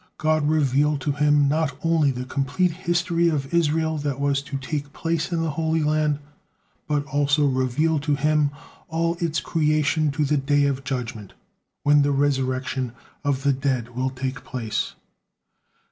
God revealed to him not only the complete history of Israel that was to take place in the Holy Land, but also revealed to him all its creation to the Day of Judgement, when the resurrection of the dead will take place.